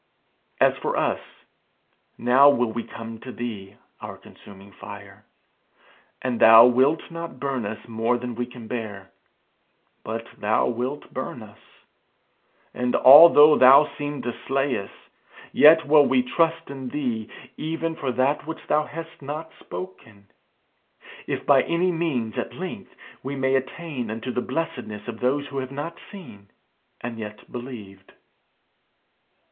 As for us, now will we come to thee, our Consuming Fire. And thou wilt not burn us more than we can bear. But thou wilt burn us. And although thou seem to slay us, yet will we trust in thee even for that which thou hast not spoken, if by any means at length we may attain unto the blessedness of those who have not seen and yet have believed.